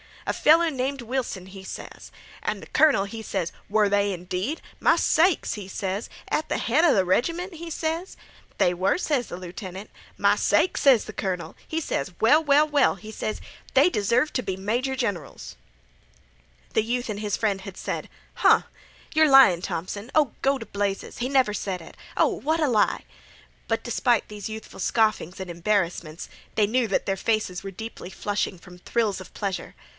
'A feller named Wilson,' he ses. An' th' colonel, he ses: 'Were they, indeed? Ahem! ahem! My sakes!' he ses. 'At th' head 'a th' reg'ment?' he ses. 'They were,' ses th' lieutenant. 'My sakes!' ses th' colonel. He ses: 'Well, well, well,' he ses. 'They deserve t' be major generals.'" The youth and his friend had said: "Huh!" "Yer lyin' Thompson." "Oh, go t' blazes!" "He never sed it." "Oh, what a lie!" "Huh!" But despite these youthful scoffings and embarrassments, they knew that their faces were deeply flushing from thrills of pleasure.